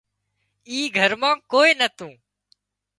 اي گھر مان ڪوئي نتون